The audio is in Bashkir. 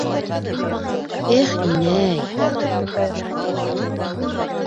Эх, инәй...